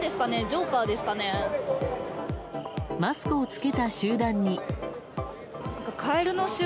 マスクを着けた集団に。